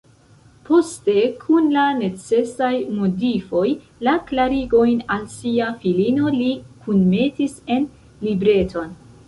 Poste, kun la necesaj modifoj, la klarigojn al sia filino li kunmetis en libreton.